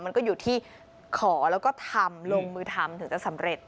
มันก็อยู่ที่ขอแล้วก็ทำลงมือทำถึงจะสำเร็จ